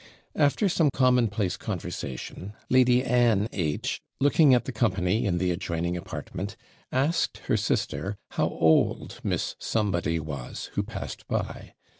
After some commonplace conversation, Lady Anne H , looking at the company in the adjoining apartment, asked her sister how old Miss Somebody was, who passed by.